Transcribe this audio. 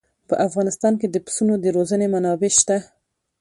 په افغانستان کې د پسونو د روزنې منابع شته.